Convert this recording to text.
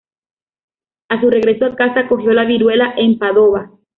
A su regreso a casa, cogió la viruela en Padova.